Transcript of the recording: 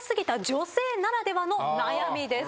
女性ならではの悩みです。